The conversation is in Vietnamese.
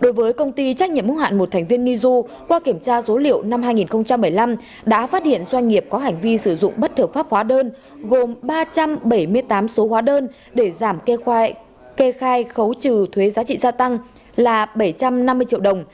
đối với công ty trách nhiệm hữu hạn một thành viên nghi du qua kiểm tra số liệu năm hai nghìn một mươi năm đã phát hiện doanh nghiệp có hành vi sử dụng bất hợp pháp hóa đơn gồm ba trăm bảy mươi tám số hóa đơn để giảm kê khai khấu trừ thuế giá trị gia tăng là bảy trăm năm mươi triệu đồng